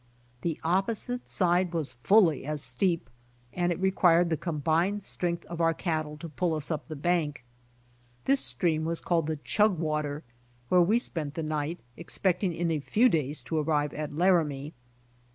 The opposite side was fully as steep and it required the combined strength of our cattle to pull us up the bank. This streami was called tlie Chugwater, where we spent the night, expecting in a few days to arrive at Laramie.